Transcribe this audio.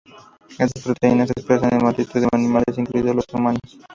Estas proteínas se expresan en multitud de animales, incluidos los humanos.